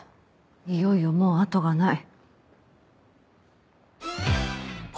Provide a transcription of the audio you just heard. いよいよもう後がない。